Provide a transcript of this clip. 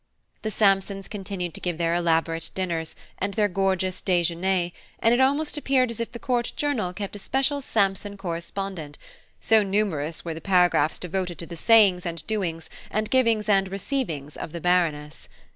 The Sampsons continued to give their elaborate dinners, and their gorgeous déjeuners, and it almost appeared as if the Court Journal kept a special Sampson correspondent, so numerous were the paragraphs devoted to the sayings and doings, and givings and receivings of the Baroness.